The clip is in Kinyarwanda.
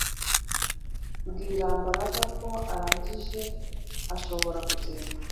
Bwira Mbaraga ko arangije ashobora kugenda